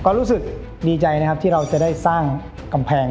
ก็รู้สึกดีใจนะครับที่เราจะได้สร้างกำแพง